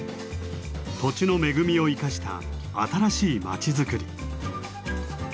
土地の恵みを生かした新しい町づくり。